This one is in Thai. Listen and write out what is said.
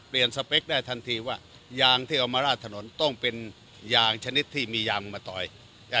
สเปคได้ทันทีว่ายางที่เอามาราดถนนต้องเป็นยางชนิดที่มียางมาต่อย